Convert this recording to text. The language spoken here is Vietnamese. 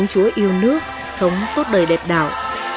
chúc sống tốt đời đẹp đạo